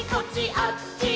あっち！」